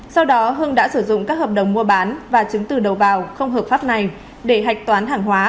sau đó hưng đã sử dụng các hợp đồng mua bán và chứng từ đầu vào không hợp pháp này để hạch toán hàng hóa